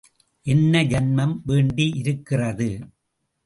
என்ன ஜன்மம் வேண்டியிருக்கிறது?